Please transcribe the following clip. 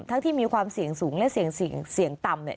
ทั้งที่มีความเสี่ยงสูงและเสี่ยงต่ำ